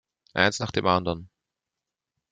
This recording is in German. Eins nach dem anderen!